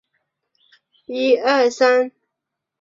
凝聚态物理学专门研究物质凝聚相的物理性质。